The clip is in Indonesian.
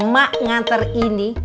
mak nganter ini